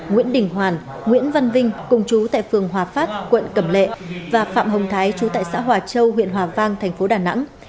nguyễn đình hoàn nguyễn văn vinh cùng chú tại phường hòa phát quận cẩm lệ và phạm hồng thái chú tại xã hòa châu huyện hòa vang thành phố đà nẵng